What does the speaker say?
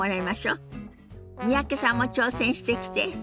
三宅さんも挑戦してきて。